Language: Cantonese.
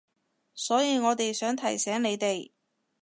所以我哋想提醒你哋